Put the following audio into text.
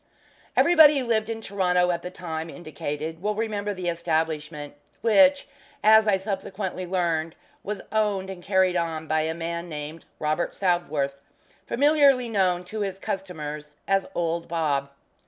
Everybody who lived in Toronto at the time indicated will remember the establishment, which, as I subsequently learned, was owned and carried on by a man named Robert Southworth, familiarly known to his customers as "Old Bob."